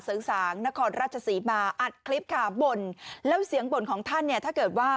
สางนครราชศรีมาอัดคลิปค่ะบ่นแล้วเสียงบ่นของท่านเนี่ยถ้าเกิดว่า